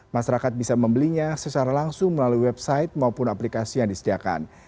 masyarakat bisa membelinya secara langsung melalui website maupun aplikasi yang disediakan